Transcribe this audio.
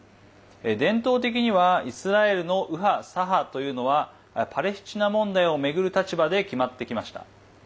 伝統的にはイスラエルの右派・左派というのはパレスチナ問題を巡る立場で決まってきました。